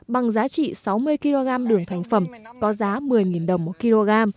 bằng giá trị sáu mươi kg đường thành phẩm có giá một mươi đồng một kg